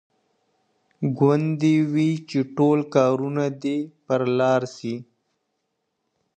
گوندي وي چي ټول کارونه دي پر لار سي!.